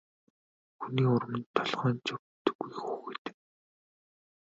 Хүний урманд толгой нь ч өвддөггүй хүүхэд.